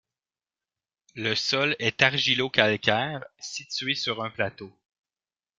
Le sol est argilo-calcaire situé sur un plateau.